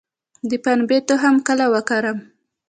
د پنبې تخم کله وکرم؟